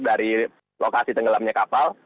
dari lokasi tenggelamnya kapal